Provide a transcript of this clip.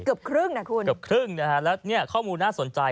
เกือบครึ่งนะคุณเกือบครึ่งนะฮะแล้วเนี่ยข้อมูลน่าสนใจ